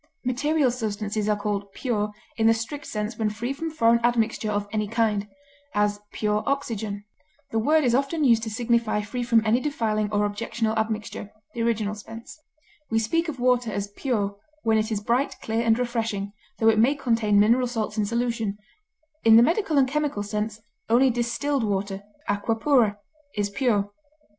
Material substances are called pure in the strict sense when free from foreign admixture of any kind; as, pure oxygen; the word is often used to signify free from any defiling or objectionable admixture (the original sense); we speak of water as pure when it is bright, clear, and refreshing, tho it may contain mineral salts in solution; in the medical and chemical sense, only distilled water (aqua pura) is pure.